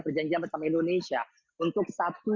perjanjian bersama indonesia untuk